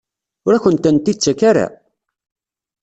Ur akent-tent-id-tettak ara?